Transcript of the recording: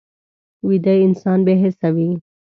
ویده انسان بې حسه وي